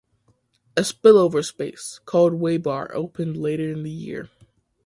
A "spillover space" called Whey Bar opened later in the year.